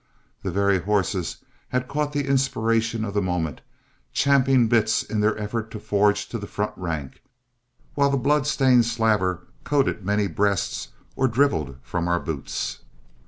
The very horses had caught the inspiration of the moment, champing bits in their effort to forge to the front rank, while the blood stained slaver coated many breasts or driveled from our boots.